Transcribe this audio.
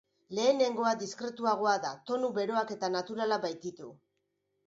Lehenengoa diskretuagoa da, tonu beroak eta naturalak baititu.